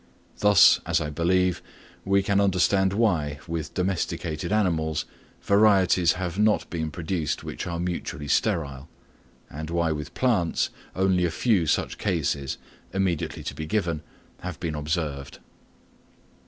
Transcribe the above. Thus, as I believe, we can understand why, with domesticated animals, varieties have not been produced which are mutually sterile; and why with plants only a few such cases, immediately to be given, have been observed.